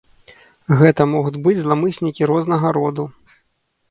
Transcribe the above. Гэта могуць быць зламыснікі рознага роду.